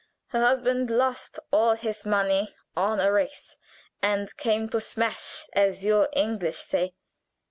Her husband lost all his money on a race, and came to smash, as you English say.